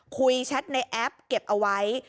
แชทในแอปเก็บเอาไว้